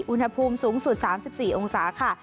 อุณหภูมิสูงสุด๓๔องศาค่ะ